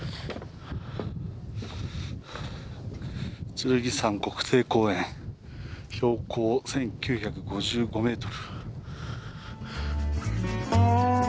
「剣山国定公園標高１，９５５ｍ」。